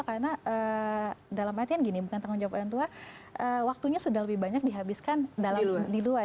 karena dalam artian gini bukan tanggung jawab orang tua waktunya sudah lebih banyak dihabiskan di luar